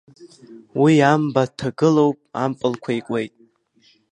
Уи амба дҭагылоуп ампылқәа икуеит.